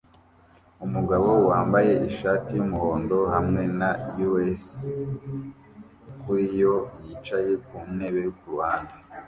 umugabo wambaye ishati yumuhondo hamwe na USA kuriyo yicaye ku ntebe kuruhande